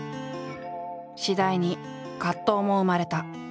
次第に葛藤も生まれた。